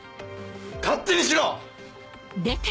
勝手にしろ！